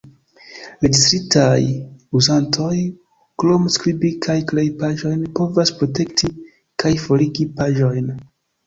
Registritaj uzantoj, krom skribi kaj krei paĝojn, povas protekti kaj forigi paĝojn.